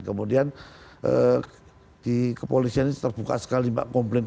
kemudian di kepolisian ini terbuka sekali mbak komplain